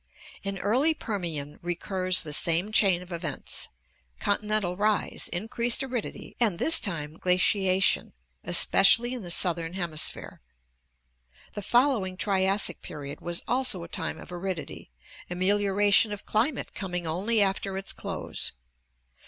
In early Permian recurs the same chain of events — continental rise, increased aridity, and, this time, glaciation, especially in the southern hemisphere. The following Triassic period was also a time of aridity, amelioriation of climate coming only after its close.